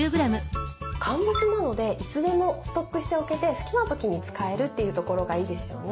乾物なのでいつでもストックしておけて好きな時に使えるというところがいいですよね。